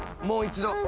もう一度！